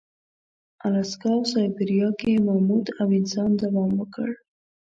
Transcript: الاسکا او سابیریا کې ماموت او انسان دوام وکړ.